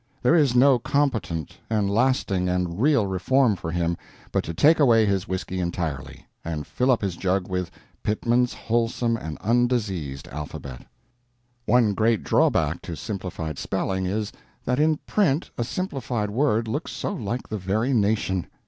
There is no competent, and lasting, and real reform for him but to take away his whiskey entirely, and fill up his jug with Pitman's wholesome and undiseased alphabet. One great drawback to Simplified Spelling is, that in print a simplified word looks so like the very nation!